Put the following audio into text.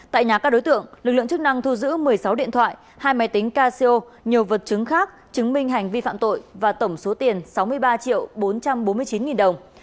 tại nhà các đối tượng lực lượng chức năng thu giữ một mươi sáu điện thoại hai máy tính casio nhiều vật chứng khác chứng minh hành vi phạm tội và tổng số tiền sáu mươi ba triệu bốn trăm bốn mươi chín nghìn đồng